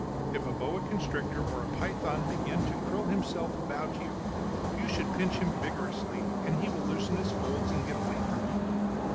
If a boa constrictor or a python begin to curl himself about you, you should pinch him vigorously, and he will loosen his folds and get away from you.